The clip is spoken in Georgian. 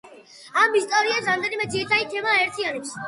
ამ ისტორიებს რამდენიმე ძირითადი თემა აერთიანებს.